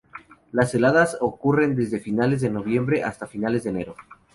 Las heladas ocurren desde finales de noviembre hasta finales de enero.